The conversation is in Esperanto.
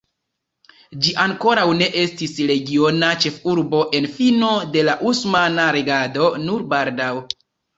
Ĝi ankoraŭ ne estis regiona ĉefurbo en fino de la osmana regado, nur baldaŭ.